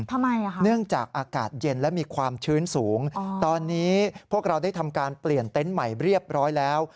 เนื่องจากอากาศเย็นและมีความชื้นสูงตอนนี้พวกเราได้ทำการเปลี่ยนเต็นต์ใหม่เรียบร้อยแล้ว